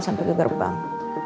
sampai ke gerbang